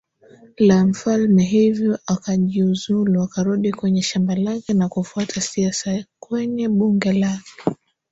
la mfalme hivyo akajiuzulu akarudi kwenye shamba lake na kufuata siasa kwenye bunge la